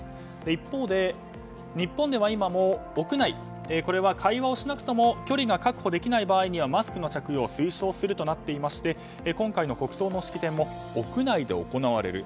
一方、日本では今も屋内では会話をしなくても距離が確保できない場合にはマスクの着用を推奨するとなっていまして今回の国葬の式典も屋内で行われる。